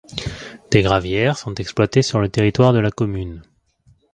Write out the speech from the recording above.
Des gravières sont exploitées sur le territoire de la commune.